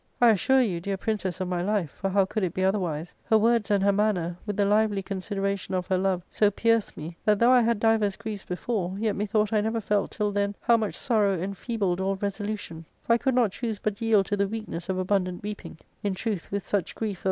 * I assure you, dear princess of my life — for how could it be otherwise ?— her words and her manner, with the lively consideration of her love, so pierced me, that though I had divers griefs before, yet methought I never felt till then how much sorrow en feebled all resolution ; for I could not choose but yield to the weakness of abundant weeping ; in truth with such grief that